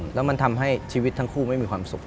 แล้วมันทำให้ชีวิตทั้งคู่ไม่มีความสุข